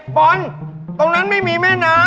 บอลตรงนั้นไม่มีแม่น้ำ